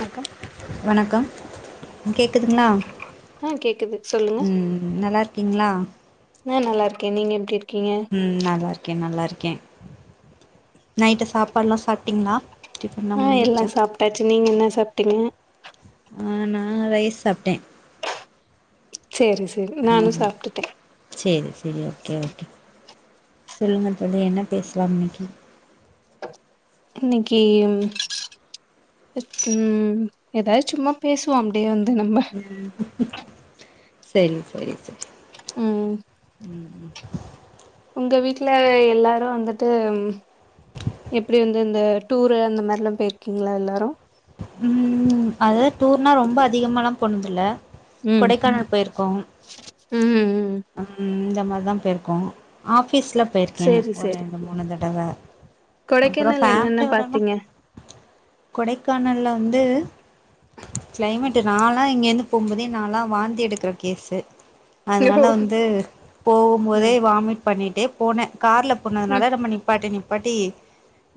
வணக்கம் வணக்கம் கேக்குதுங்ளா ஆ கேக்குது சொல்லுங்க ம் நல்லாருக்கீங்ளா ஆ நல்லா இருக்கேன் நீங்க எப்டி இருக்கீங்க ம் நல்லா இருக்கே நல்லா இருக்கே நைட்டு சாப்பாட்லா சாப்ட்டீங்ளா ஆ எல்லா சாப்ட்டாச்சு நீங்க என்ன சாப்ட்டீங்க ஆ நான் ரைஸ் சாப்ட்டே சேரி சேரி நானு ஆமா சாப்ட்டுட்டே சேரி சேரி ஓகே ஓகே சொல்லுங்க தோழி என்ன பேஸ்லாம் இன்னைக்கி இன்னைக்கி ம் எதாது சும்மா பேசுவோ அப்டியே வந்து நம்ம ம் சேரி சேரி சேர் ம் ம் ம் உங்க வீட்ல எல்லாரு வந்துட்டு எப்டி வந்து இந்த டூரு அந்த மாரிலா போய்ர்க்கீங்ளா எல்லாரு ம் அதது டூர்னா ரொம்ப அதிகமாலா போனதுல்ல ம் கொடைக்கானல் போய்ர்க்கோ ம் ம் ம் இந்த மார்தா போய்ர்க்கோ ஆஃபிஸல போய்ர்க்கே சேரி ஒரு சேரி ரெண்டு மூணு தடவ அப்புறோ கொடைக்கானல் என்னென்ன ஃபேம்லியோடன பாத்தீங்க கொடைக்கானல்ல வந்து கிளைமேட்டு நாளா இங்கிர்ந்து போம்போதே நாளா வாந்தி எடுக்குற கேஸு அதுனால ஓ வந்து போகும் போதே ம் வாமிட் பண்ணிட்டே போனே கார்ல ம் போனதுனால நம்ம நிப்பாட்டி நிப்பாட்டி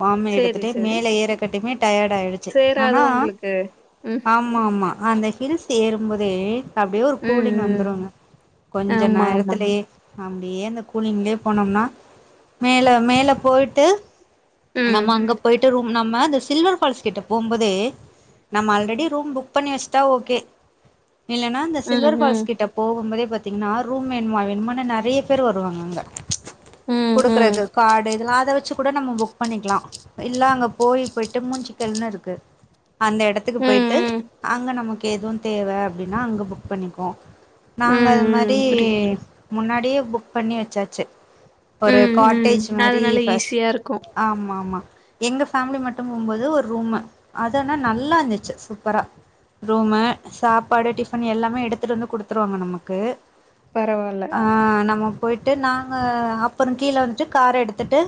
வாமி சேரி எடுத்துட்டு மேல ஏறக்காட்டிமே டயர்டா ஆய்ருச்சு சுத்தாதோ உங்குளுக்கு ம் ஆமா ஆமா அந்த ஹில்ஸ் ஏறும்போதே அப்டியே ஒரு ம் கூலிங் ம் வந்துருங்க கொஞ்ச ஆமா ஆமா நேரத்துலயே அப்டியே அந்த கூலிங்ளே போனோம்னா மேல மேல போய்ட்டு நம்ம ம். அங்க போய்ட்டு ரூம் நம்ம அந்த சில்வர் ஃபால்ஸ்கிட்ட போம்போதே நம்ம ஆல்ரெடி ரூம் புக் பண்ணி வச்ட்டா ஓகே இல்லனா இந்த ம், சில்வர் ம். ஃபால்ஸ் கிட்ட போகும்போதே பாத்தீங்ன்னா ரூம் வேண்மா வேண்மானே நெறைய பேர் வருவாங்க அங்க ம், ம். குடுக்கறக்கு காடு இதெல்லா அத வெச்சு கூட நம்ம புக் பண்ணிக்கலா இல்ல அங்க போய் போய்ட்டு மூஞ்சிக்கல்னு இருக்கு அந்த எடத்துக்கு ம், போய்ட்டு ம். அங்க நமக்கு எதுவு தேவ அப்டின்னா அங்க புக் பண்ணிக்வோ ம், நாங்க அது மாரி ம். புரியுது, புரியுது. முன்னாடியே புக் பண்ணி வச்சாச்சு ஒரு ம், ம். காட்டேஜ் மாரி அதனால ஃபஸ் ஈஸியா இருக்கும். ஆமா ஆமா எங்க ஃபேமிலி மட்டு போம்போது ஒர் ரூம்மு அதுன்னா நல்லா இர்ந்துச்சு சூப்பரா ரூமு, சாப்பாடு, டிஃபன் எல்லாமே எடுத்துட்டு வந்து குடுத்துருவாங்க நமக்கு பரவால்ல. அ நம்ம போய்ட்டு நாங்க அப்பறோ கீழ வந்ட்டு கார எடுத்துட்டு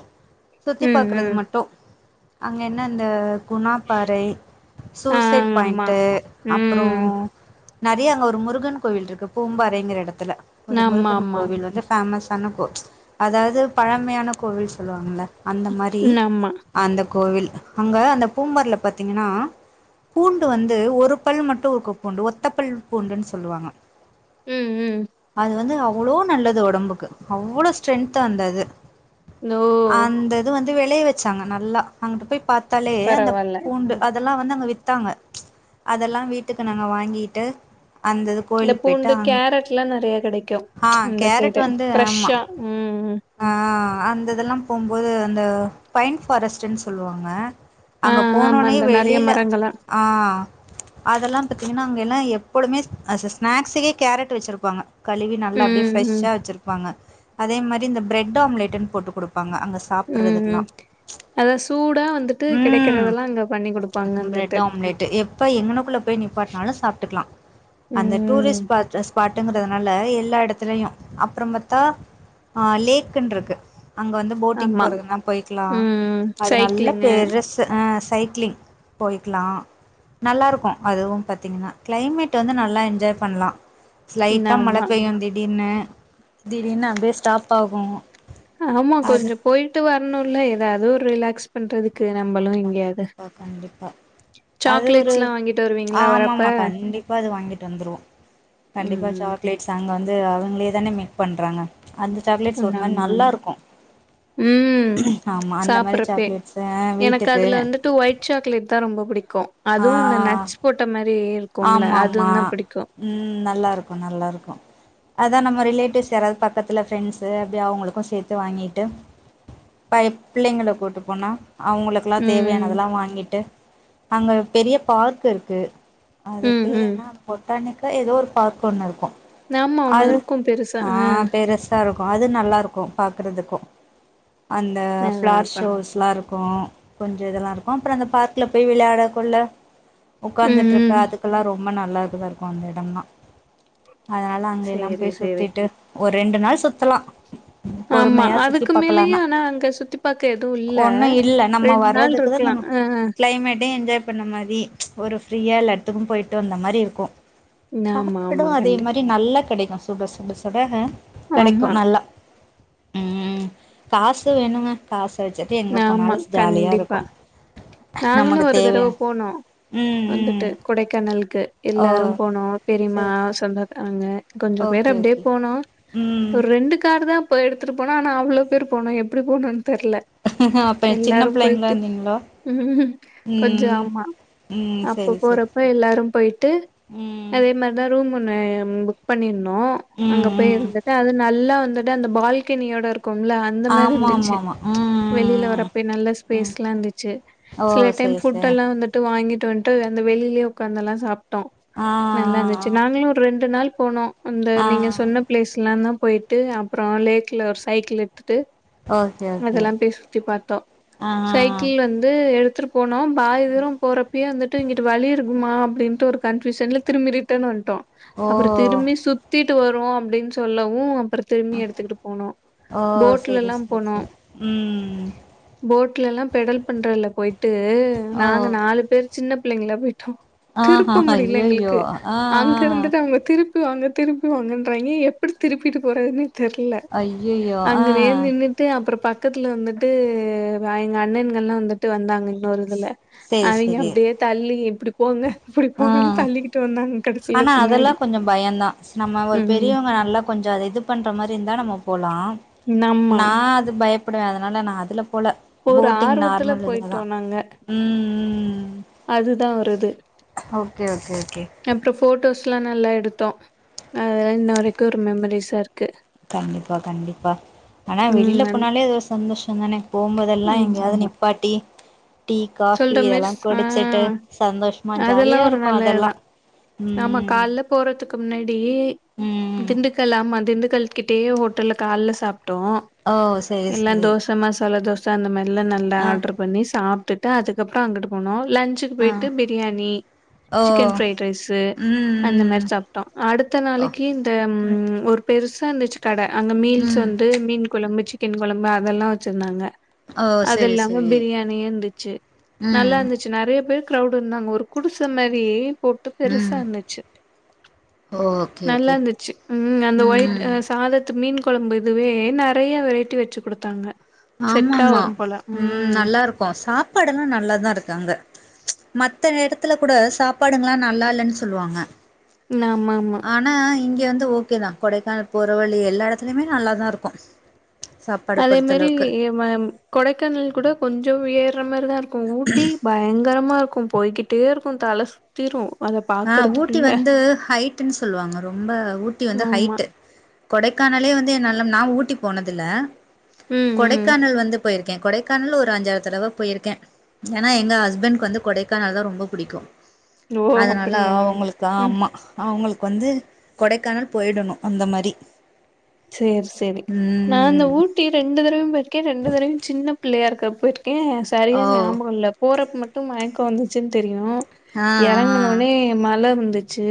சுத்தி ம், பாக்கறது ம். மட்டு அங்க என்ன இந்த குணா பாறை, ஆ சூசைட் ஆமா. பாய்ண்ட்டு அப்பறோ ம். நெறைய அங்க ஒரு முருகன் கோவில்ருக்கு பூம்பாறைங்கிற எடத்துல ஒரு முருகன் ஆமாமா. ஆமா. கோவில் வந்து ஃபேமஸான கோ அதாவது பழமையான கோவில் சொல்லுவாங்கள அந்த மாரி ம், ஆமா. அந்த கோவில் அங்க அந்த பூம்பர்ல பாத்தீங்கன்னா பூண்டு வந்து ஒரு பல் மட்டோ ஒரு பூண்டு ஒத்த பல் பூண்டுன்னு சொல்லுவாங்க ம் ம் அது வந்து அவ்ளோ நல்லது ஒடம்புக்கு அவ்ளோ ஸ்ட்ரென்த்து அந்த இது ஓ! அந்த இது வந்து வெளைய வெச்சாங்க நல்லா அங்கட்டு போய் பாத்தாலே அந் பரவால்ல. ம். அதெல்லா வந்து அங்க வித்தாங்க அதெல்லா வீட்டுக்கு நாங்க வாங்கிட்டு அந்த இந்த கோயிலுக்கு போய்ட்டு பூண்டு அங்க கேரட்ல்லா நறைய கெடைக்கு ஆ இந்த கேரட் சைடு வந்து ஆமா ஃப்ரெஷ்ஷா ம் ஆ அந்த இதெல்லா போம்போது அந்த பைன் ஃபாரஸ்ட்ன் சொல்லுவாங்க ஆ அங்க ஆமா. போனோனே இந்த நெறைய வெளில மரங்களா. ஆ அதெல்லா பாத்தீங்கன்னா அங்க எல்லா எப்போவுமே ஸ்நாக்ஸுக்கே கேரட் வெச்சிருப்பாங்க கழுவி நல்லா அப்டியே ம், ம். ஃரெஷ்ஷா வெச்சிருப்பாங்க அதே மாரி இந்த பிரெட் ஆம்லேட்ன்னு போட்டு கொடுப்பாங்க அங்க சாப்பிட்றதுக்கெல்லா அதா சூடா வந்துட்டு கடைக்கறதெல்லா அங்க பண்ணி கொடுப்பாங்க வந்துட்டு நைட் எப் ப்ப எங்கனக்குள்ள போய் நீப்பாட்டினாலு சாப்பட்டுக்கலா அந்த ம். டூரிஸ்ட் பாட்டஸ் பாட்டுங்கறதுனால எல்லா எடத்துலயு அப்புறம் பாத்தா ஆ லேக்னு இருக்கு அங்க வந்து போட்டிங் ஆமா. போறதுன்னா போயிக்கலா ம் அது நல்ல சைக்கிளிங்கு பெர்ருஸ் து ஆ சைக்ளிங் போயிக்கலா நல்லாருக்கு அதுவு பாத்தீங்கன்னா கிளைமேட் வந்து நல்லா என்ஜாய் பண்லா ஸ்லைட்டா மழ ஆமா பெய்யு திடீர்னு திடீர்னு அப்டியயே ஸ்டாப் ஆகும் ஆமா கொஞ்சோ போய்ட்டு வரணுல்ல ஏதாவது ஒரு ரிலாக்ஸ் பண்றதுக் ஆமா ஆமா கண்டிப்பா கண்டிப்பா அது ஒரு சாக்லேட்ஸ்லா வாங்கிட்டு வருவீங்களா வரப்ப ஆமாம கண்டிப்பா அது வாங்கிட்டு வந்துருவோ கண்டிப்பா ம் சாக்லேட்ஸ் அங்க வந்து அவங்களே தானே மேக் பண்றாங்க அந்த சாக்லேட்ஸ் ஆமா ஒரு மாரி நல்லா ஆமா இருக்கு ம் ஆமா அந்த மாரி சாப்பறப்பே சாக்லேட்ஸு எனக்கு வீட்டுக்கு அதுல வந்துட்டு ஒயிட் சாக்லேட்தா ரொம்ப புடிக்கு ஆ அதுவு இந்த நட்ஸ் போட்ட மாரி இருக்கும்ல ஆமா அதுவு ஆமா தா பிடிக்கு ம் நல்லாருக்கு நல்லாருக்கு அதா நம்ம ரிலேட்டிவ்ஸ் யாரா பக்கத்துல ஃப்ரெண்ட்ஸ்ஸு அப்டியே அவங்களுக்கு சேத்து வாங்கிட்டு பய பிள்ளைங்க கூட்டு போனோ அவங்களுக்குல்லா ம் தேவையானதுல்லா வாங்கிட்டு அங்க பெரிய பார்க் இருக்கு அது ம் பேரு ம் என்ன பொட்டானிக்க எதோ ஒரு பார்க் ஒன்னு இருக்கு ஆமா ஒண்ணு அது இருக்கு பெருசா ஆ பெரு டா இருக்கு அது நல்லாருக்கு பாக்கறதுக்கு அந்த அதா ஃப்ளார் அதா ஷோஸ்லா இருக் கு கொஞ்ச இதெல்லா இருக்கு அப்புற அந்த பார்க்கல போய் விளையாடகுள்ள ம் உக்காந்துட்டு இருக்க ம் அதுக் க்குலா ரொம்ப நல்லா இருக்குதா இருக்கு அந்த எடம்லா அதனால அங்க எல்லா சேரி போய் சேரி சுத்திட்டு ஒரு ரெண்டு நாள் சுத்துலா ஆமா பொறுமயா சுத்தி அதுக்கு மேலயு பாக்கலானா ஆனா அங்க சுத்தி பாக்க எதுவு இல்ல ஒண்ணு இல்ல நம்ம ரெண்டு நாள் வர்றதுக்குதா இருக்கலா நம்ம அ கிளைமேட்டு என்ஜாய் பண்ண மாரி ஒரு ஃப்ரீயா எல்லா இடத்துக்கு போய்ட்டு வந்த மாரி இருக்கு ஆமா சாப்பாடு ஆமா அதே கண்டிப் மாரி நல்லா கெடைக்கு சுட சுட சுட அ கடைக்கு ஆமா நல்லா ம் காசு வேணுங்க காச வெச்சுட்டு எங்க ஆமா போனாலு ஜாலியா கண்டிப்பா இருக்கு நாங்களு நமக்கு ஒரு தடவ தேவையா போனோ ம் வந்துட்டு ம் கொடைக்கானலுக்கு ஓ எல்லாரு போனோ பெரியமா சேரி சொந்த அங்க கொஞ்சோ பேர் ஓகே அப்டியே ஓகே போனோ ம் ஒரு ரெண்டு காரு தா போய் எடுத்துட்டு போனோ ஆனா அவ்ளோ பேர் போனோ எப்டி போனோன்னு தெர்ல அப்ப சின்ன எல்லாரு பிள்ளைங்களா போயிட்டு இருந்தீங்களோ ம் கொஞ்ச ம் ஆமா ம் அப்ப சரி சரி போறப்ப சரி எல்லாரும் போய்ட்டு ம் அதே மாரி தா ரூம் ஒன்னு புக் பண்ணி இருந்தோ அங்க ம் போய் ம் இருந்துட்டு அது நல்லா வந்துட்டு அந்த பால்கனியோட இருக்கும்ல அந்த மாரி ஆமா ஆமா இருந்துச்சு ம் ஆமா ம் வெளியில வரப்பே நல்ல ஸ்பேஸ்ல்லா இருந்துச்சு ஓ சில டைம் சேரி ஃபுட் சேரி எல்லா வந்து ட்டு வாங்கிட்டு வந்ட்டு அந்த வெளியிலயே உக்காந்தல்லா சாப்ட்டோ ஆ நல்லா இருந்து சு நாங்களு ஒரு ரெண்டு நாள் போனோ அந்த ஆ ஆ ஆ நீங்க சொன்ன பிளேஸ்லானா போயிட்டு அப்பரோ லேக்ல ஒரு சைக்கிள் எடுத்துட்டு ஓகே ஓகே அதெல்லா போய் சுத்தி பாத்தோ ஆ ஆ ஆ சைக்கிள் வந்து எடுத்துட்டு போனோ பாதி தூரோ போற ப்பயே வந்துட்டு இங்கிட்டு வழி இருக்குமா அப்டின்ட்டு ஒரு கன்ஃப்யூஷன்ல திரும்பி ரிட்டன் வந்ட்டோ ஓ அப்பற திரும்பி சுத்திட்டு வருவோ அப்டின்னு சொல்லவு அப்புற திரும்பியு எடுத்துக்கிட்டு போனோ ஓ சேரி போட்லலா சேரி போனோ சேரி ம் போட்ல எல்லா பெடல் பண்றதுல போயிட்டு ஓ நாங்க நாலு பேர் சின்ன பிள்ளைங்களா போயிட்டோ ஆஹா திருப்ப முடியல ஐயையோ எங்களுக்கு ஆ ஆ அங்க இருந்துட்டு அவங்க திருப் க்கு அங்க திருப்பி வாங்கன்றாங்க எப்படி திருப்பிட்டு போறதுன்னே தெர்ல ஐயையோ ஆ அங்கனே நின்னுட்டு அப்பறோ பக்க பக்கத்துல வந்துட்டு வ எங்க அண்ணன்கள்லா வந்துட்டு வந்தாங்க இன்னொரு இதுல சேரி அவைங்க சேரி அப்டியே தள்ளி இப்டி போங்க இப்டி போங்கன்னு ஆ தள்ளிட்டு வந்தாங்க கடைசி ஆனா அதெல்லா கொஞ்சோ பயந்தா நம்ம ஒரு ம் பெரியவங்க நல்லா கொஞ்சோ அத இது பண்ற மாரி இருந்தா நம்ம போலா ஆமா நா அது பயப்படுவ அதனால நா அதுல போல ஒரு போட்டிங் ஆர்வத்துல நார்மல் இதுலதா போயிட்டோ நாங்க ம் ம் ம் அதுதா ஒரு இது ஓகே ஓகே ஓகே அப்றோ ஃபட்டோஸ்லா நல்லா எடுத்தோ அதெல்லா இன்ன வரைக்கோ ஒரு மெமரிஸா இருக்கு கண்டிப்பா கண்டிப்பா ஆனா ம் வெளியில நன் போனாலே ஏதோ சந்தோஷோந் தானே போம்போதெல்லா ம் எங்கயாது நிப் பாட்டி டீ காஃபி சொல்ற மாரி எல்லா ஸ் ஆ குடிச்சிட்டு சந்தோஷமா அதெல்லா ஜாலியா ஒரு இருக்கோ அதெல்லா நல்லதுதா ஆமா ம் கால்ல போறதுக்கு முன்னாடி ம் திண்டுக்கல் ஆமா திண்டுக்கல் கிட்டயே ஹோட்டல்ல கால்ல சாப்ட்டோ ஓ செரி எல்லா செரி தோச மசாலா தோ சொ அந்த மாரிலா நல்லா ஆ ஆடர் பண்ணி சாப்ட்டுட்டு அதுக்கப்றோ அங்குட்டு போனோ லன் ச்சுக்குப் பொயிட்டு ஆ பிரியாணி ஓ சிக்கன் ஃப்ரைட் ரைஸ்ஸு ம் அந்த ம் மாரி சாப் ப்டோ அடுத்த ஓ நாளைக்கி இந்த ஒரு பெருசா இருந்துச்சு கட அங்க மீல்ஸ் ம் வந் டு மீன் கொழம்பு, சிக்கன் கொழம்பு அதெல்லா வெச்சிர்ந்தாங்க ஓ அது செரி இல்லாம செரி பிரியாணி இர்ந்து ச்சி ம் நல்லார்ந்துச்சு நெறைய பேர் க்ரவுடு இர்ந்தாங்க ஒரு குடிச மாரி போட்டு பெருசா ம் இர்ந்துச்சு ஓகே ஓகே நல்லார்ந்துச்சு ம் அந்த ஒய்ட் ம் அ சாதத்து மீன் கொழம்பு இதுவே நெறைய வெரைட்டி வெச்சு குடுத்தாங்க செட்டா ஆமாமா வரும் போல ம் நல்லாருக்கு சாப்பாடெல்லா நல்லாதா இருக்கு அங்க மத்த எடத்துல கூட சாப்பாடுங்கலா நல்லால்லன் சொல்லுவாங்க ம் ஆமா ஆனா இங்க வந்து ஓகேதா கொடைக்கானல் போற வழி எல்லா எடத்துலயுமே நல்லாதா இருக்கு சாப்பாட அதே மாரி பொறுத்தளவுக்கு ஏம் கொடைக்கானல் கூட கொஞ்ச ஏர்ற மாரி தா இருக்கு ஊட்டி பயங்கரமாருக்கு போய்க்கிட் டே இருக்கு தால சுத்தீரு அத பாக் ஆ ஊட்டி வந்து ஹைட்டுன் சொல்வாங்க ரொம்ப ஊட்டி வந்து ஆமா ஹைட்டு கொடைக்கானலே வந்து என்னால நா ஊட்டி போனதில்ல ம் ம் கொடைக்கானல் வந்து போயிருக்கே கொடைக்கானல் ஒரு அஞ்சாறு தடவ போயிருக்கே ஏனா எங்க ஹஸ்பண்ட்க்கு வந்து கொடைக்கானல் தா ரொம்ப புடிக்கு ஓ அதனால அப்படியா அவங்களுக்கு ம் ஆமா அவங்கள்க் வந்து கொடைக்கானல் போயிடணு அந்த மாரி சேர் சேரி நா வந்து ம் ஊட் டி ரெண்டு தடவயு போயிருக்கே ரெண்டு தடவயு சின்ன பிள்ளையா இருக்கப் போயிர்க்கே சரியா ஓ ஞாபகோ இல்ல போறப்ப மட்டு மயக்கோ வந்துச்சுன் தெரியு ஆ எறங்குனோன்னே மழ இர்ந்துச்சு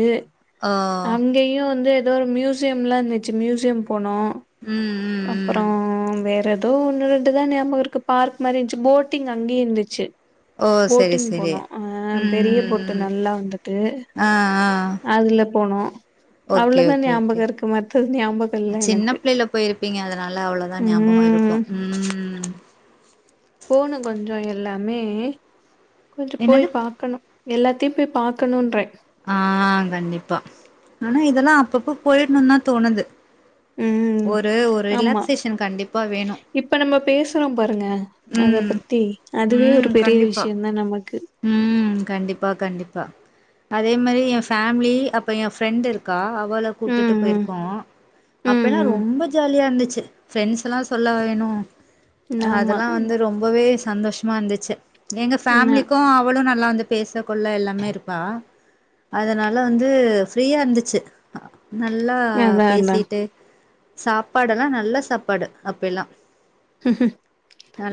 ஆ ஓ அங்கயு வந்து எதோ ஒரு மியூசியம்லா இர்ந்துச்சு மியூசியம் போனோ ம் ம் அப்றோ ம் வேற எதோ ஒன்னு ரெண்டுதா ஞாபகோ இருக்கு பார்க் மாரி இர்ந்ச்சு போட்டிங் அங்கயே இர்ந்துச்சு ஓ செரி போட்டிங் செரி போனோ அ ம் ம் பெரிய போட்டு ம் நல்லா இர்ந்துது ஆ ஆ அதுல போனோ அவ்ளோ ஓகே தா ஓகே ஓகே ஞாபகோ இருக்கு மத்தது ஞாபகோ இல்ல சின்ன எனக்கு பிள்ளைல போயிருப்பீங்க அதனால அவ்வளோ தா ஞாபகோ இருக்கு ம் ம் போனு கொஞ்ச எல்லாமே கொஞ்ச போய் என்னது பா க்கணு எல்லாத்தையு போய் பாக்கணுன்றே ஆமா கண்டிப்பா ஆனா இதெல்லா அப்பப்ப போயிட்ணுந்தா தோணுது ம் ஒரு ஒரு ஆமா ரிலாக்சேஷன் கண்டிப்பா வேணு இப்ப நம்ம பேசுறோ பாருங்க அத ம் பத்தி அதுவே ஒரு ம் பெரிய கண்டிப்பா விஷ்யந்தா நமக்கு ம் கண்டிப்பா கண்டிப்பா அதே மாரி எ ஃபேமிலி அப்போ எ ஃப்ரெண்ட் இருக்கா அவளு உட்டுட்டு ம் ம் போயிருக்கோ ம் அப்பல்லா ம் ரொம்ப ஜாலியா இருந்துச்சு ஃப்ரெண்ட்ஸ்லா சொல்லவா வேணு நாமா இன்னு வந்து ரொம்பவே சந்தோஷமா இருந்துச்சு எங்க நா ஃபேமிலிக்கும் அவ்வளு நல்லா வந்து பேச கொள்ள எல்லாமே இருப்பா அது நல்லா வந்து ஃப்ரீயா இருந்துச்சு நல்லா அதா அதா பேசிட்டு சாப்பாடு எல்லா நல்ல சாப்பாடு அப்ப எல்லா ம்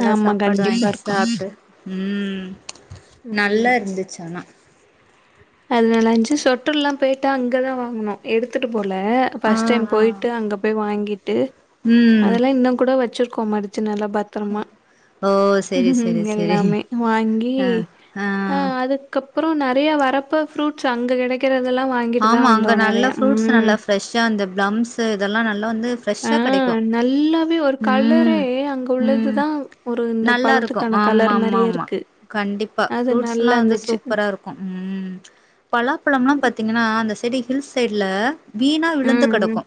ஆமா சாப்பாடு கண்டிப்பா வாங்கி இருக்கு சாப்ட்டு ம் ம் நல்லா இருந்துச்சு ஆனா அதனால அஞ்சு சொட்டர்லா போய்ட்டு அங்கே தா வாங்கணோ எடுத்துட்டு போல ஆ ஃபர்ஸ்ட் டைம் ஆ போயிட்டு அங்க போய் வாங்கிட்டு ம் அதெல்லா இன்னு கூட வச்சிருக்கோ மடிச்சு நல்ல பத்திரமா ஓ செரி செரி ம் செரி எல்லாமே வாங்கி ஆ ஆ அ அதுக்கப் அப்பறோ நெறைய வரப்ப ஃப்ரூட்ஸ் அங்க கிடைக்றதெல்லா வாங் ஆமா அங்க நல்லா ஃப்ரூட்ஸ் நல்லா ஃப்ரெஷ்ஷா அந்த பிளம்ஸ்சு இதெல்லா நல்லா வந்து ஆ ஃப்ரெஷ்ஷா கிடைக்கும் நல்லாவே ஒரு கலரே ம் அங்க ம் உள்ளதுதான் ஒரு இந்த நல்லா இருக் கு பழத்துக்கான ஆமா கலர் ஆமா மாதிரியே ஆமா இருக்கு கண்டிப்பா அது நல்லா ஃப்ரூட்ஸ்ல்லா வந்து இருந்துச்சு சூப்பரா இருக்கூ ம் பலாப்பழம்லா பார்த்தீங்கன்னா அந்த செடி ஹில்ஸ் சைட்ல வீணா விழுந்து கெடக்கு ம்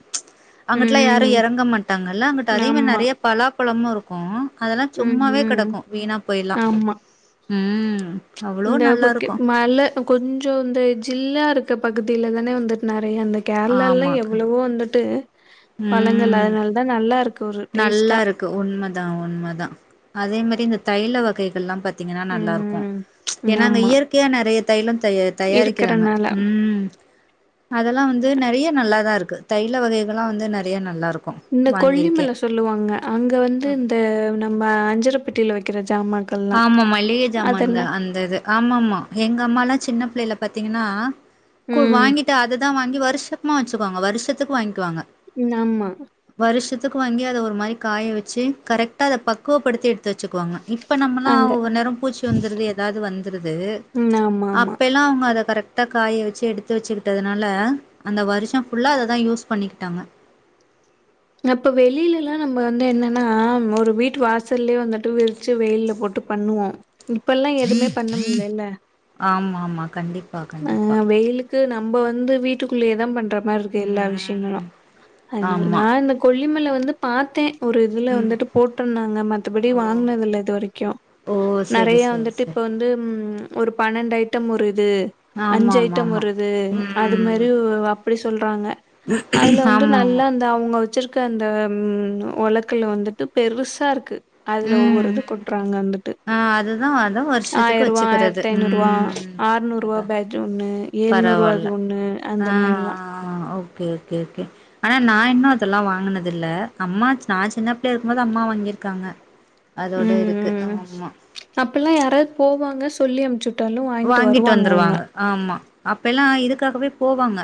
ம் அங்கிட்லா யாரு ம். எறங்க மாட்டாங்கல்ல அங்குட்டு அதே மாதிரி ஆமா நெறையா பலாப்பழமு இருக்கு அதெல்லா ம் சும்மாவே ம் கெடக்கு வீணா போய் எல்லா ஆமா அ இந்த ஓகே மழ கொஞ்சோ இந்த ஜில்லா இருக்க பகுதியில தான வந்துட்டு நிறையா அந்த கேரளாலல்லா ஆமா க எவ்ளவோ வந்துட்டு பழங்கள் ம் அதனால தா நல்லா இருக்கு ஒரு நல்லா டேஸ்ட்டா இருக்கு உண்மதா உண்மதா அதே மாரி இந்த தைல வகைகள்லா பாத் பாத்தீங்கன்னா நல்லா இருக்கு ம் ம் ஏ நா அங்க ஆமா இயற்கையா நெறையா தைலோ தயாரி தயாரிக்கிறாங்க இருக்கறனால ம் அதெல்லா வந்து நிறையா நல்லாதா இருக்கு தைல வகைகள்லா வந்து நிறைய நல்லா இருக்கும் இந்த கொல்லிமல சொல்லுவாங்க அங்க வந்து இந்த நம்ம அஞ்சறப்பெட்டியில வைக்கிற ஜாமான் ஆமா மளிகை ஜமான்னுங்க அந்த இது ஆமா ஆமா எங்க அம்மால்லா சின்ன பிள்ளைல பாத்தீங்கன்னா கொ ம் வாங்கிட்டு அததா வாங்கி வருஷோ சும்மா வச்சுக்குவோங்க வருஷத்துக்கு வாங்கிக்வாங்க ன் ஆமா வருஷத்துக்கு வாங்கி அத ஒரு மாரி காய வச்சு கரெக்டா அத பக்குவப்படுத்தி எடுத்து வச்சுக்குவாங்க இப் இப்ப நம்மளா அங்க ஒவ்வொ நேரோ பூச்சி வந்துருது ஏதாவது வந்துருது ம் ஆமா ஆமா அப்ப எல்லா அவங்க அதை கரெக்ட் ட்டா காய வச்சு எடுத்து வச்சுக்கிட்டதுனால அந்த வருஷோ ஃபுல்லா அத தா யூஸ் பண்ணிக்கிட்டாங்க அப்ப வெளியிலல்லா. நம்ம வந்து என்னன்னா ஒரு வீட்டு வாசல்லயே வந்துட்டு விரிச்சு வெயில்ல போட்டு பண்ணுவோ இப்ப எல்லா எதுவுமே பண்ண முடியலல்ல ஆமா ஆமா கண்டிப்பா கண்டிப்பா இங்கு நம்ம வந்து வீட்டுக்குள்ளேயே தா பண்ற மாதிரி இருக்கு எல்லா விஷயங்களு ம் அதுனால ஆமா அந்த கொல்லிமல வந்து பார்த்தே ஒரு இதுல ம் வந்துட்டு போட்டுருந்தாங்க மத்தபடி ஓ வாங்கினது இல்ல இது வரைக்கும் ஓ செரி நெறையா செரி வந்துட்டு இப்ப செரி வந்து ம் ஒரு பன்னெண்டு ஐட்டம் ஒரு இது ஆமா அஞ்சு ஆமா ஐட்டம் ஆமா ஒரு இது அது ம் மாரி அப்டி சொல்றாங்க அதுல வந்து ஆமா ஆமா நல்லா அவங்க வச்சிருக்க அந்த உலக்கல வந்துட்டு பெருசா இருக்கு அதுல ம் ஒவ்வொரு இது ம் கொட்டுறாங்க வந்துட்டு ஆ அதுதா அதா வருஷத்துக்கு ஆயிர ரூபா வச்சுக்கிறது ஆயிரத்தி ஐந்நூறு ரூபா ம் ஆர்நூறுவா அதா பேஜ் ஒண்ணு ஏழ்நூறுவாது பரவால்ல ஒண்ணு அந்த மாரில்லா ஆ ஓகே ஓகே ஓகே ஆனா நா இன்னு அதெல்லா வாங்குனது இல்ல அம்மா நா சின்ன பிள்ளயா இருக்கும்போது அம்மா வாங்கிருக்காங்க அதோட இருக்கு ஆமா அப்ப எல்லா யாராது போவாங்க சொல்லி அமுச்சி விட்டாலு வாங்கிட்டு வருவாங்க அவங்க ஆமா அப்பெல்லா இதுக்காகவே போவாங்க